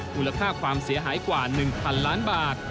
มูลค่าความเสียหายกว่า๑๐๐๐ล้านบาท